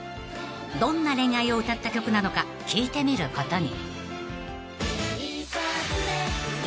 ［どんな恋愛を歌った曲なのか聞いてみることに］